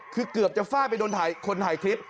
คือเกือบจะฟาดไปโดนคนถ่ายคลิป